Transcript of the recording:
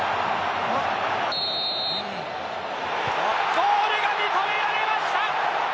ゴールが認められました。